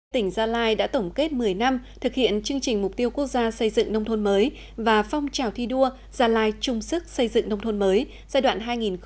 tỉnh gia lai đã tổng kết một mươi năm thực hiện chương trình mục tiêu quốc gia xây dựng nông thôn mới và phong trào thi đua gia lai trung sức xây dựng nông thôn mới giai đoạn hai nghìn một mươi một hai nghìn hai mươi